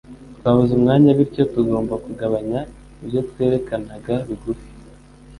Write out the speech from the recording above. Twabuze umwanya, bityo tugomba kugabanya ibyo twerekanaga bigufi.